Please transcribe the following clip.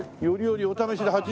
よりよりお試しで８９。